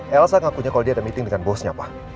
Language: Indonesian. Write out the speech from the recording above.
elsa ngakunya kalau dia ada meeting dengan bosnya pak